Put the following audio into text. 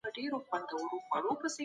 که غواړې ګوزار وکړې نو ګړندی یې کړه.